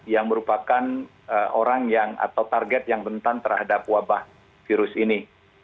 yang merupakan orang yang atau target yang rentan terhadap wabah virus ini